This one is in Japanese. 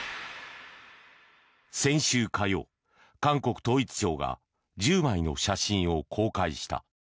先週火曜、韓国統一省が１０枚の写真を公開した。